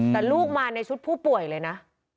แต่ลูกมาในชุดผู้ป่วยเลยนะ